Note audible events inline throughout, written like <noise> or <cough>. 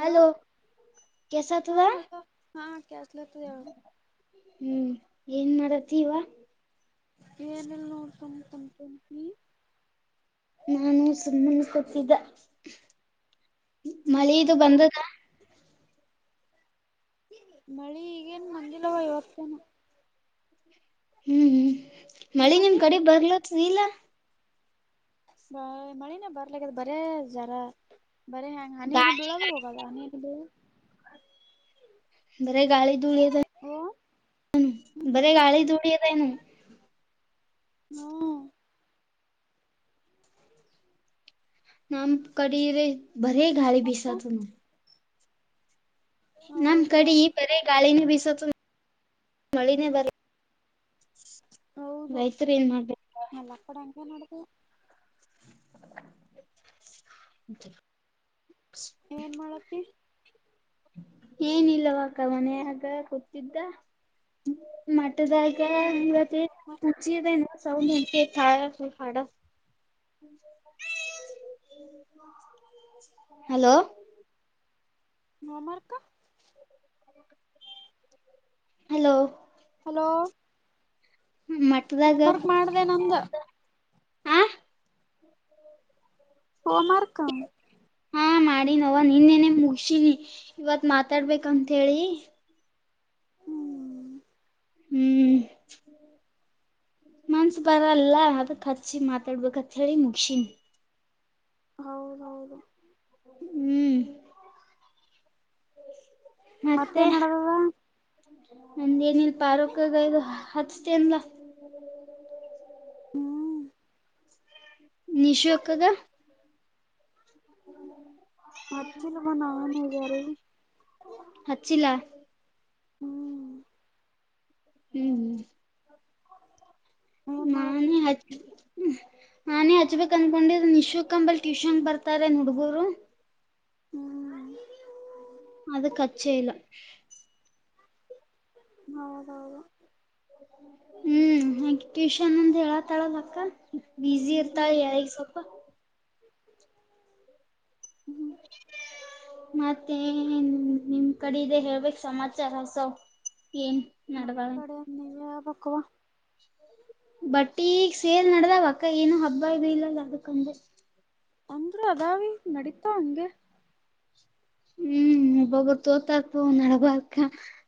Hello ಹಾ ಕೆಸತದ hello ಹಾ ಕೇಳಸ್ಲತದ ಹೇಳ ಹ್ಮ್. ಏನ್ ಮಾಡತ್ತೀ ವಾ. ಏನಿಲ್ ನೋಡು ಸುಮ್ ಕುಂತೀನಿ. ನಾನು ಸುಮ್ಮ್ ಕೂತಿದ್ದೆ. ಮಳೀದು ಹ್ಮ ಬಂದದ? ಮಳಿ ಈಗೇನ್ ಬಂದಿಲ್ಲವ ಇವತ್ತೇನ? ಹ್ಮ್ ಹ್ಮ್ ಮಳೆ ನಿಮ್ ನಿಮ್ಮಲ್ಲಿ ಕಡೆ ಬರ್ಲತ್ತಿಲ್ಲ ಮಳೀನೆ ಬರ್ಲಗದ್ ಬರೇ ಜರ. ಬರೇ ಹನಿ ಹನಿನ ಗಾಳಿ ಬಿಳೋದು ಹೋಗದು ಹನಿ ಹನಿ ಬಿಳೋದು ಹೋಗೋದು. ಬರೇ ಗಾಳಿ ಧೂಳೀ ಓ ಅದೆನು ಬರೆ ಗಾಳಿ ಧೂಳಿ ಅದೇನು. ಹ್ಮ ನಮ ಕಡಿ ರೇ ಬರೆ ಗಾಳಿ ಮತ್ತ ಬೀಸಾತು ನೋಡ್. ನಮ್ ಹೌದುವಾ ಕಡಿ ಬರ ಗಾಳಿನೇ ಬೀಸೋತ ಮಳೀನೆ ಬರಲ್ ಹೌದು ಎಲ್ಲ ಕಡೆ ಹಂಗೆ ನೋಡ್ದೀಯ. <inaudible> ಏನ್ ಮಾಡತ್ತಿ? ಏನಿಲ್ಲವಾಕ್ಕ ಮನ್ಯಾಗೆ ಕೂತಿದ್ದೆ ಮ ಟ್ಟದಾಗ ಹ್ಮ್ <unintelligible> ಹಲೋ ಮಾಮಾರ್ಕ ಹಲೋ ಹ ಮಠದಾಗ ಹೋಮರ್ ಮಾಡಿದೆನ ಅಂದೆ ಆ ಅ ಹೋಮರ್ಕ ಹಾ ಮಾಡಿ ನವ ನಿನ್ನೆನೆ ಮುಗಸಿನಿ ಇವತ್ ಮಾತಾಡ್ಬೇಕಂತ ಹೇಳಿ ಹ್ಮ್ ಹ್ಮ್ ಮನ್ಸ ಬರಲ್ಲ ಅದಕ್ ಹಚ್ಚಿ ಮಾತಾಡ್ಬೇಕತ್ ಹೇಳಿ ಮುಗ್ಸಿನಿ ಹೌದೌದು ಹ್ಮ್ ಮತ್ತೇನ್ ನಡೆದ ನಂದೇನಲ್ ಪಾರೋಕಗೈದು ಹಚ್ತೇನಲ್ಲ ಹ್ಮ್ ನಿಷು ಎಕ್ಕಾಗ ಮರ್ಚಿಲು ಬ ನವಚಾರೆ ಹಚ್ಚಿಲ್ಲಾ ಹ್ಮ್ ಹ್ಮ್ ಹ್ಮ್ ಹ ಏನ್ ಮಾಡತಿ ಹಚ್ ನಾನೇ ಹಚ್ಬೇಕಕ್ ಅನ್ಕೊಂಡಿದ ನಿಶಕ್ಂಬಲ್ ಟ್ಯೂಷನ್ ಬರ್ತಾರೆ ಹುಡುಗೂರು ಹ್ಮ್ ಅದು ಕಚ್ಚೇಲ್ಲ ಹೌಹೌದು ಹ್ಮ್ ಹಾಗ ಟ್ಯೂಷನ್ ಅಂದ ಹೇಳತಳದ ಅಕ್ಕ ಬಿಜಿ ಹ್ಮ್ ಇರ್ತಾನೆ ಹೇಳಿ ಸಪ್ಪ <inaudible> ಹ <inaudible> ಮತ್ತೆ ನಿಮ್ ಕಡೆದ ಹೇಳ್ಬೇಕು ಸಮಾಚಾರಸೊ ಏನ್ ನಡದಾವೆ ಕವಾ ಬಟ್ ಈಗ ಸೇಲ್ ನಡ್ದ ಅಕ್ಕ ಏನು ಹಬ್ಬ ಇದ ಇಲ್ಲಲ್ಲ ಅದಕ್ಕಂದ ಅಂದ್ರೆ ಅದಾವಿ ನಡೀತಾ ಅಂದೆ ಹ್ಮ್ ಒಬ್ಬೊಬ್ಬರು ತೋತಾರ್ತ ನಡಬಕ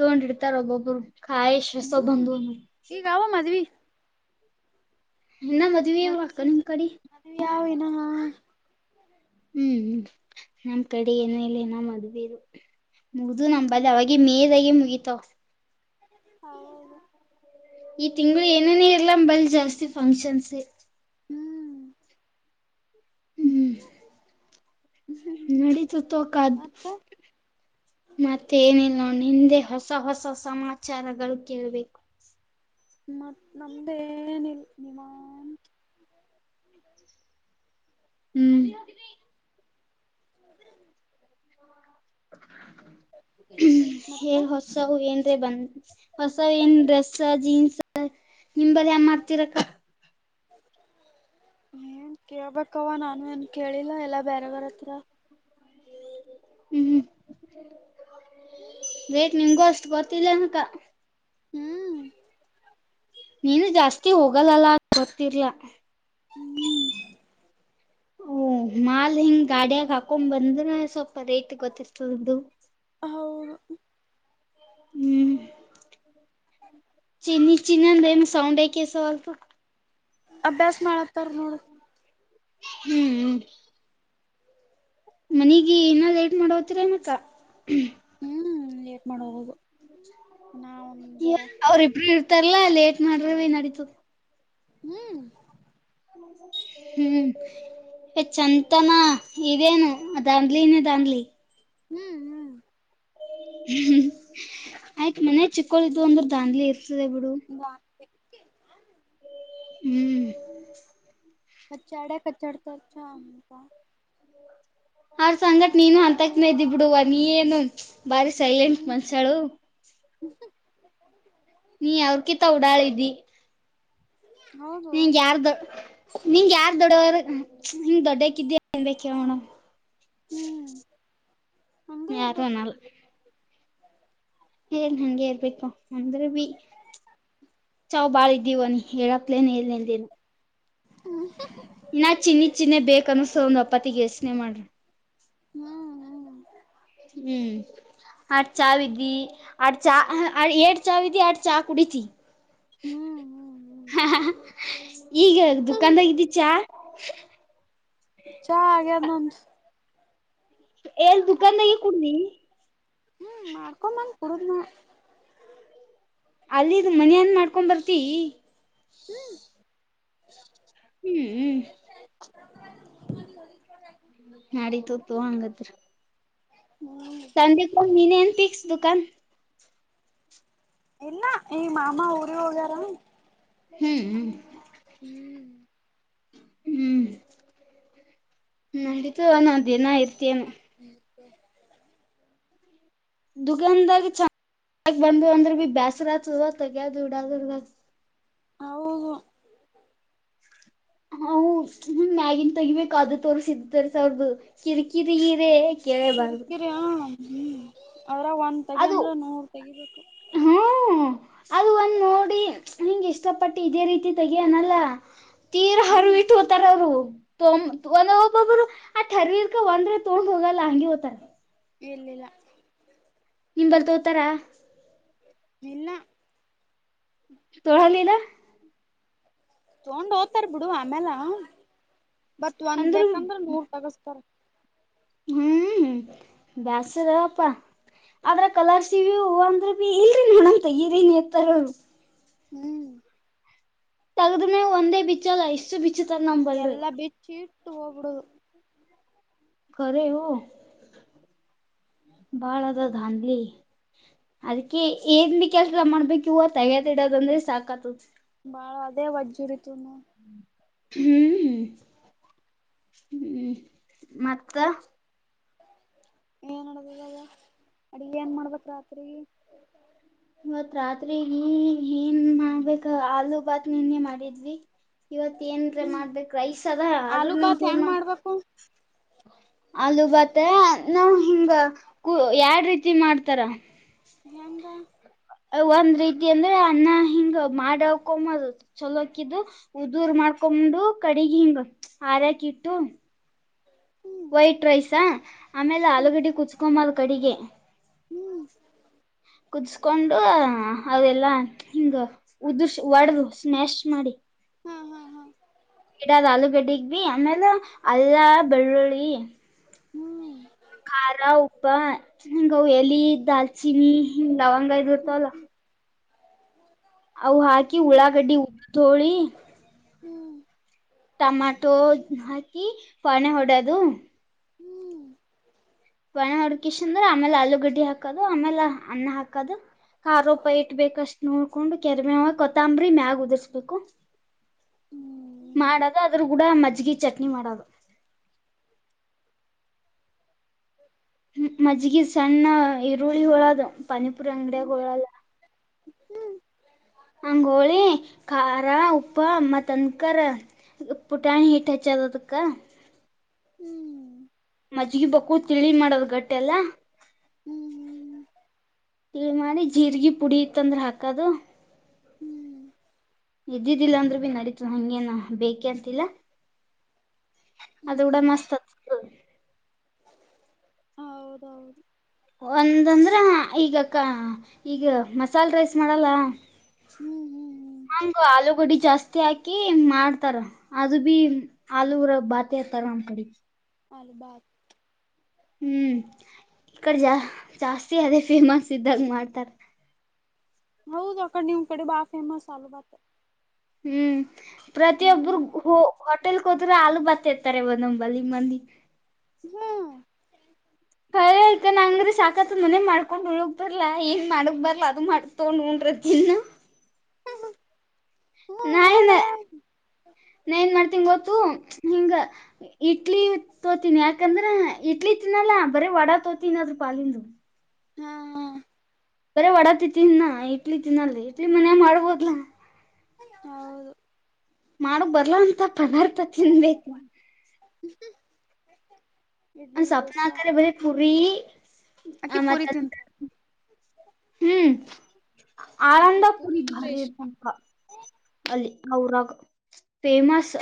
ತಗೊಂಡಿಡ್ತಾರ ಒಬ್ಬೊಬ್ರು ಕಾಯ ಶ ಹ್ಮ್ ಸೊಬಧುವನ್ನು ಈಗ ಅವ ಮದ್ವಿ ಇನ್ನ ಮದ್ವಿ ಅಕ್ಕ ಮರುಸೀ ನಿಮ್ ಕಡೆ ಮದುವೆಯಾವ ಇನವಾ ಹ್ಮ್ ನಮ್ಮ್ ಕಡೆ ಏನಲೆ ನ ಮದ್ವೇರು ಮುಗ್ದು ನಂಬದು ಅವೆ ಮೇದಾಗಿ ಮುಗಿತೋ ಹೌದು ಈ ತಿಂಗಳು ಏನನ ಇರ್ಲ ಬಲ್ ಜಾಸ್ತಿ ಫಂಕ್ಷನ್ಸ್ ಹ ನಡೀತು ತೋಕದ ಮತ್ತೆ ಏನಿಲ್ಲ ನ ಹಿಂದೆ ಹಸ ಸ ಹೊಸ ಸಮಾಚಾರಗಳು ಕೇಳ್ಬೇಕು ಮತ್ತು ನಮ್ದೇನಿಲ್ಲ ನಿಮಾನ್ ಹ್ಮ್ ಹ್ಮ ಎರ್ ಮತ್ತ ಹೊಸ ಹ ಎಏನು ಬಂದ ಹೊಸ ಏನ್ ಡ್ರೆಸ್ ಜೀನ್ಸ್ ನಿಮಲ್ಲಿ ಯ ಮಾಡ್ತಿರಕ್ಕ <inaudible> ಏನ್ ಕೇಳ್ಬೇಕವ ನಾನು ಏನ್ ಕೇಳಿಲ್ಲ ಎಲ್ಲಾ ಬೇರೆವರ ಹತ್ರ ಹ್ಮ್ ರೇಟ್ ನಿಮ್ಗೂ ಅಷ್ಟು ಬರ್ತಿಿಲ್ಲ ಅಕ ಹ್ಮ್ ನೀನು ಜಾಸ್ತಿ ಹೋಗಲ್ಲಲ್ಲ ಗೊತ್ತರ್ಲಾ ಹ್ಮ ಓ ಮಾಲ್ ಹಿಂಗ್ ಗಾಡಿಯಾಗ ಹಾಕೊಂಡ್ ಬಂದ್ರೆ ಸ್ವಲ್ಪ ರೇಟ್ ಗೊತ್ತಿರ್ತದದು ಹೌ ಹ್ಮ್ ಚನ್ನ ಚಿನ್ನಂದಮ ಸೌಂಡ್ ಐ ಕೆಸವಾಲ್ತ ಅಭ್ಯಾಸ ಮಾಡತ್ತಾರ ನೋಡ ಹ್ಮ್ ಹ್ಮ ಮನಗ ಇನ್ನ್ ಲಏಟ್ ಮಾಡ ಹತರ ಏನಕ್ಕ ಹ್ಮ್ ಲೇಟ್ ಮಾಡಬುದು ಅವ್ರಿಬ್ರು ಇರ್ತಾರಲ್ಲಾ ಲೇಟ್ ಮಾಡ್ರ ಭ ನಡೀತು ಹ್ಮ್ ಹ್ಮ್ ಚಂತನಾ ಇದೇನು ಅ ದಾನ್ ನೀ ದಾನ್ ಹ್ಮ್ ಹ್ಮ್ ಹ್ಮ ಆಯ್ತ್ ಮನ ಚಿಕ್ಕೋಳಿದ್ ಅಂದ್ರ ದಾನ್ಲಿ ಇರ್ತದೆ ಬಿಡು ಹ್ಮ್ ಕಚ್ಚಡ ಕಚ್ಚಡತ ಚ ಅಮಂತ ಅವ್ರ ಸಂಗಟ್ ನೀನು ಅಂತಕ್ನ ಇದ್ದಿ ಬಿಡುವ ನೀ ಏನು ಬಾರಿ ಸೈಲೆಂಟ್ ಮನ್ಸಾಳು ಹ್ಮ ನೀ ಯಾವ್ರಕಿ ತ ಓಡಾಳಿದಿ ಹೌದು ನಿಂಗೆ ಯಾರ್ದು ನಿಂಗ ಯಾರ್ ದೊಡ್ಡವ ನಿಂಗ್ ದೊಡ್ಡಕ್ಕಿದ್ದ್ಯಾ ಕೋಣ ಹ್ಮ್ ಹಂಗೆ ಯಾರ ಇರ್ಬೇಕು ನಳ ಏ ನಂಗೆ ಇರ್ಬೇಕು ಅಂದ್ರೆ ಬಿ ಚಾವ ಬಾಳ ಇದ್ದೀವ ನೀ ಹೇಳಕ್ಲೇನ್ ಏನೆಂದೇನು ಹ್ಮ್ ಇನ್ನ ಚಿನ್ನಿತ್ ಚಿನ್ನನೆ ಬೇಕಕ್ ಅನ್ನಸ್ ಅಪ್ಪತಿಗೆ ಯೋಚ್ನೆ ಮಾಡ್ರಿ ಹ್ಮ್ ಹ್ಮ್ ಹ್ಮ್ ಆ ಚಾ ವಿದಿ ಆ ಚಾ ಎಏ ಚಾ ವಿದಿ ಆ ಚಾ ಕುಡತಿ ಹ್ಮ್ ಹ ಈಗ ಹ್ಮ್ ದುಕಾನ್ದಾಗಿದ್ದೀಚಾ ಹೌ ಚಗ ನನ್ನ ಎ ದದುಕಾನದ ಕುೂಡ ನೀ ಹ್ಮ್ ಮಾಡ್ಕೊಂಬಂದ ಕುಡುದನ ಅಲ್ಲಿದ ಮನೀ ಮಾಡ್ಕೊಂಡ್ ಬರ್ತಿ ಹ್ಮ್ ಹ್ಮ್ ಹ್ಮ್ ನಾಡತ ತ ಹಂಗತ್ರ ಹ್ಮ ಸಂಂದೀಪ ಮಿನನ್ ಪಿಸ್ ದದುಕಾನ ಇಲ್ಲ ಈ ಮಾಮ ಊರಿಗೆ ಹೋಗ್ಯಾರ ಹ್ಮ್ ಹ್ಮ್ ಹ್ಮ್ ಹ್ಮ್ ನಡಿತು ನ ದೇನ ಆಯ್ತ ಹ್ಮ ದುಗಂದಾಗ ಚಂದ ಬಂದ ಅಂದ್ರೆ ಬಿ ಬೇಸರ ಆತದ <unintelligible> ಹೌದು ಹ ಮ್ಯಾಗಿನ್ ತೆಗಿಬೇಕಾದ ತೋರ್ಸಿದರ್ ಸ ಅವ್ರದ ಕಿರಿಕಿರಿ ಕೇಳೇ ಬಾರಬದು ಕಿರಿಕಿರಿ ಹ್ಮ್ ಅದ್ರ ಒಂದ್ ತೆಗಿ ಅಂದ್ರೆ ನೂರ್ ತೆಗಿಬೇಕು ಹ್ಮ್ ಅದು ಒಂದ್ ನೋಡಿ ನಿಂ ಇಷ್ಟಪಟ್ಟು ಇದೇ ರೀತಿ ತೆಗಿಯನಲ್ಲ ತೀರ ಹರ ಹ್ಮ್ ಇಟ್ಕೋತಾರೋರು ಒಂದ ಒಬ್ಬೊಬ್ರು ಆ ಟರರ್ಕ ಒಂದ್ರೆ ತೊಗೊಂಡು ಹೋಗಲ್ಲ ಹಂಗಗೆ ಹೋಗ್ತಾರ ಇಲ್ಲಿಲ್ಲ ನಿಮ್ ಬಾಲಿ ತೋಗೊಥರ ಇಲ್ಲ ತೊಳಲಿಲ್ಲ ತಗೊಂಡ್ ಹೋಗ್ತಾರ ಬಿಡು ಆಮೇಲೆ ಬತ್ ಒಂದ್ ಅಂದ್ರ ಬೇಕಂದ್ರೆ ನೂರ್ ತಗಸ್ತಾರ ಹ್ಮ್ ಬ್ಯಸ್ರ ಅಪ್ಪಾ ಅದ್ರ ಕಲರ್ಸಿವ್ಯವು ಅಂದ್ರ ಬಿ ಇಲ್ರಿ ನೋಣಂತ ಈರಿನ್ ಎತ್ತಾರ ಅವರು ಹ್ಮ್ ತಗ್ದ್ಮೇ ಒಂದೇ ಬಿಚ್ಚಲ್ಲ ಇಷ್ಟು ಬಿಚ್ಚ ಎಲ್ಲಾ ಬಿಚ್ಚಿ ಇಟ್ಟು ಹೋಗ್ಬಡುದು ಕರೆ ಹ ಬಾಳ ಅದ ಧಾಧಲಿ ಅದಕ್ಕೆ ಏನ್ ಕೆಲ್ಸ ಮಾಡ್ಬೇಕ ಇವ ತಗದ ಇಡೋದಂದ್ರೆ ಸಾಕತದ ಬಾಳ ಅದೇ ಒಜ್ಜುರಿತುನು ಹ್ಮ್ ಹ್ಮ್ ಹ್ಮ್ ಮತ್ತ ಏನ್ಡದದ ಅಡಿ ಏನ್ ಮಾಡ್ಬೇಕ ರಾತ್ರಿ ಇವತ್ ರಾತ್ರಿ ಏನ್ ಮಾಡ್ಬೇಕ ಆಲೂ ಭಾತ್ ನಿನ್ನೆ ಮಾಡಿದ್ವಿ ಇವತ್ ಏನ್ ಹ್ಮ್ ಮಾಡ್ಬೇಕ ರ್ರೈಸ್ ಅದ ಆದದ್ರ ಆಲೂ ನೀನ್ ಬಾತ್ ತ ಹೆಂಗ್ ಮಾಡ ಮಾಡ್ಬೇಕು ಅಲ್ಲ ಬತ್ತ ನಾವ್ ಹಿಂಗ ಯಾರ್ ರೀತಿ ಮಾಡ್ತಾರ ಎಂಗ ಒಂದ್ ರೀತಿ ಅಂದ್ರೆ ಅನ್ನ ಹಿಂಗ ಮಾಡಕೊಂಬ ಚಲೋಕಿದ್ದು ಉದುೂರ್ ಮಾಡ್ಕ ಕೊಂಡು ಕಡಗ ಹಿಂಗ ಹರಾಕಿ ಇಟ್ಟು ಹ್ಮ್ ವೈಟ್ ರೈಸಾ ಆಮೇಲೆ ಹ್ಮ್ ಆಲೂಗಡೆ ಕುಚ್ಕೊಂಬಲ್ ಕಡಗೆ ಹ್ಮ್ ಕುದಸ್ಕೊಂಡು ಅವೆಲ್ಲಾ ಹಿಂಗ ಉದುರ್ ಒಡದು ಸ್ಮ್ಯಾಶ್ ಮಾಡಿ ಹಾ ಹಾ ಹಾ ಗಿಡದ ಆಲೂಗಡ್ಡಗ್ ಭ ಆಮೇಲೆ ಅಲ್ಲ ಬೆಳ್ಳುಳ್ಳಿ ಹ್ಮ್ ಖಾರ ಉಪ್ಪ ಗ ಎಲಿ ದಾಲ್ಚಿನಿ ಲವಂಗ ಇದದು ಹ್ಮ್ ಇರ್ತಲ್ಲ ಹ್ಮ್ ಅವು ಹಾಕಿ ಹ್ಮ್ ಉಳಾಗಡ್ಡಿ ಉಟ್ಟೋಳಿ ಹ್ಮ್ ಟಮಾಟೊ ಹಾಕಿ ಪಾಣೆ ಹೊಡೋದು ಹ್ಮ್ <unintelligible> ಆಮೇಲೆ ಆಲೂಗಡ್ಡಿ ಹಾಕದು ಆಮೇಲೆ ಅನ್ನ ಹಾಕದು ಖಾರೋಪ ಇಟ್ಬೇಕಷ್ಟ್ ನೋಡ್ಕೊಂಡು ಕರಬೇವು ಕೊತ್ತಂಬ್ರಿ ಮ್ಯಾಗ್ ಉದರ್ಸ್ಬೇಕು ಹೌದೌದು ಮಾಡದ ಆದ್ರೂ ಕೂಡ ಮಜ್ಜಗೆ ಮಜಗಿ ಚಟ್ನಿ ಮಾಡೋದು ಹ್ಮ ಮಜ್ಜಗಿ ಸಣ್ಣ ಈರುಳ್ಳಿ ವಳಗ್ ಪಾನಿಪುರ ಅಂಡ್ಯಾಗ್ ಗೋಳಲ್ಲ ಅಂಗೋಳಿ ಕಾರಾ ಉಪ್ಪ ಮತನ್ಕ ಪುಠಾನಿ ಹಿಟ್ ಹಚ್ಚದ್ ಅದಕ್ ಮಜ್ಗಿ ಬಕುಳಿ ತಿಳಿ ಮಾಡೋದ ಗಟ್ಟೆ ಎಲ್ಲಾ ಇ ಮಾಡಾರಿ ಜೀರ್ಗಿ ಪುಡಿ ಇತ್ತಂದ್ರೆ ಹಾಕೋದು ಹ್ಮ್ ಇದ್ದಿದ್ದಿಲ್ಲ ಅಂದ್ರರು ಬಿ ನಡೀತ ಹಂಗೇನ ಬೇಕೆ ಅಂತಿಲ್ಲ ಅದರ್ ಗುಡ ಮಸ್ತ್ ಆಗ್ತದ ಹೌದೌದು ಒಂದಂದ್ರ ಈಗ ಈಗ ಮಸಾಲೆ ರೈಸ್ ಮಾಡಲ್ಲ ಹ್ಮ್ ಹ್ಮ್ ಹಂಗ ಆಲೂಗಡ್ಡಿ ಜಾಸ್ತಿ ಹಾಕಿ ಮಾಡ್ ಇತಾರ ಅದು ಬಿ ಆಲೂರ ಬಾತಿ ಇರ್ತಾರ ತರಮ್ ತಡಿ ಹಾಲುಬಾತ್ ಹ್ಮ್ ಈ ಕಡೆ ಜಾ ಜಾಸ್ತಿ ಅದೇ ಫೇಮಸ್ ಇದ್ದಾಗ ಮಾಡ್ತಾರ ಹೌದು ಅಕಡೆ ನಿಮ್ ಕಡೆ ಬಾ ಫೇಮಸ್ ಅಲುಬತ್ ಹ್ಮ್ ಪ್ರತಿಯೊಬ್ಬರು ಹಟ್ಟೆಲ್ ಕೋದ್ರೆ ಬರಿ ಆಲುಬತ್ತ ತರ್ತಾರೆ ನಂಬಲಿ ಮಂದಿ ಹ್ಮ ಕರೆ ಹೇಳ್ತೀನಿ ಅಂದ್ರ ಸಾಕತ್ ಮನೆ ಮಾಡ್ಕೊಂಡು ಉಳಗ್ಕ್ ಬರ್ಲಾ ಏನ್ ಮಾಡಕ್ ಬರ್ಲ ಅದು ಮಾಡ್ಕ್ ತೋೊಂಡ್ ಊಟ ಚಿತ್ರಾನ್ನ ಹ್ಮ್ ನಾಯನ ನೋಡಲ್ಲ ನಾ ಏನ್ ಮಾಡ್ತೀನ್ ಗೊತ್ತು ಹಿಂಗ ಇಡ್ಲಿ ತೋತೀನಿ ಯಾಕಂದ್ರ ಇಡ್ಲಿ ತಿನಲ್ಲಾ ಬರೇ ವಡಾಪಾವ್ ತಿನೋದು ಅದರ ಪಾಲಿಂದ ಹ್ಮ ಹಾ ಬರ ವಡಾ ತಿತಿನ್ನ ಇಡ್ಲಿ ತಿನ್ನಲ್ಲ ಇಡ್ಲಿ ಮನ್ಯ ಮಾಡ್ಬೋದ್ಲಾ ಹೌದು ಮಾಡೋಕ್ ಬರ್ಲಂತ ಪದಾರ್ಥ ತಿನ್ಬೇಕ ಮ ಇಡ್ಲಿ ಸ್ವಪ್ನಾ ಆಕರೆ ಬ ಪುರಿ ಅಕೆ ಮತ್ತ ಪುರಿ ತಿಂತಾಳ ಹ್ಮ್ ಅಕ್ಕಿ ಪೂರಿ ಆಳಂದಪುರಿ ಅಂದ್ರೆ ಬಾರಿ ಇಷ್ಟ ಇರ್ತದ ಅಲ್ಲಿ ಅವರ ಊರಗ್ ಫೇಮಸ್